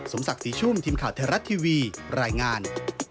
ศักดิ์ศรีชุ่มทีมข่าวไทยรัฐทีวีรายงาน